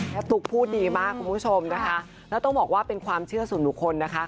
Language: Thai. ตุ๊กพูดดีมากคุณผู้ชมนะคะแล้วต้องบอกว่าเป็นความเชื่อส่วนบุคคลนะคะ